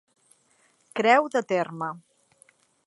Creu de terme.